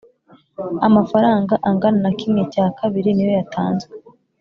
Amafaranga angana na kimwe cya kabiri niyo yatanzwe